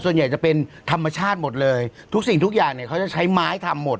ส่วนใหญ่จะเป็นธรรมชาติหมดเลยทุกสิ่งทุกอย่างเนี่ยเขาจะใช้ไม้ทำหมด